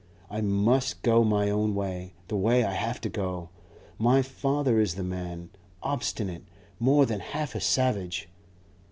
I must go my own way, the way I have to go. My father is the man, obstinate, more than half a savage.